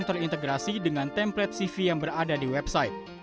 dan juga langsung terintegrasi dengan template cv yang berada di website